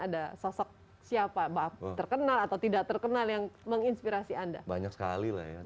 ada sosok siapa terkenal atau tidak terkenal yang menginspirasi anda banyak sekali lah ya